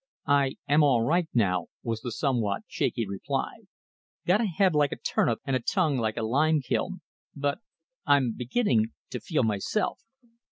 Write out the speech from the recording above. "I am all right now," was the somewhat shaky reply. "Got a head like a turnip and a tongue like a lime kiln, but I'm beginning to feel myself."